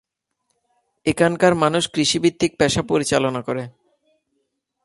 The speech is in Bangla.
এখানকার মানুষ কৃষি ভিত্তিক পেশা পরিচালনা করে।